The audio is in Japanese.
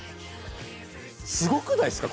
すごくないっすか？